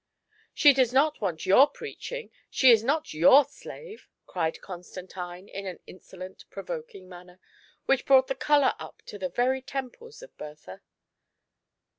" She does not want your preaching ; she is not your slave I " cried Constantine in an insolent, provoking manner, which brought the colour up to the very temples of Bertha.